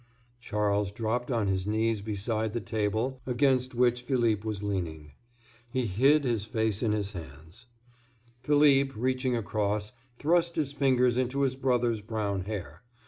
Charles dropped on his knees beside the table against which Philippe was leaning. He hid his face in his arms. Philippe, reaching across, thrust his fingers into his brother's brown hair.